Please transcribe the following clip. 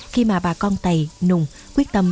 khi mà bà con tày nùng quyết tâm